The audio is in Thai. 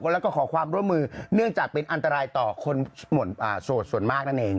แล้วก็ขอความร่วมมือเนื่องจากเป็นอันตรายต่อคนโสดส่วนมากนั่นเอง